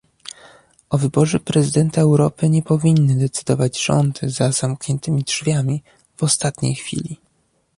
O wyborze prezydenta Europy nie powinny decydować rządy za zamkniętymi drzwiami, w ostatniej chwili